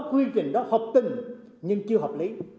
quy trình đó học tình nhưng chưa học lý